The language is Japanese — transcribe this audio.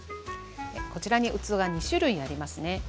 こちらに器が２種類ありますね。